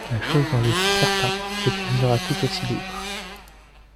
La chose dont je suis certain, c’est que ce sera tout aussi libre.